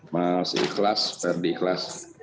mas ikhlas ferdi ikhlas